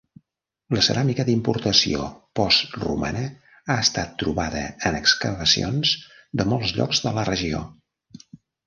La ceràmica d'importació postromana ha estat trobada en excavacions de molts llocs de la regió.